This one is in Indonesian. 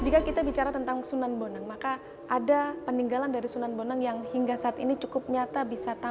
jika kita bicara tentang sunan bonang maka ada peninggalan dari sunan bonang yang hingga saat ini cukup nyata bisa tampil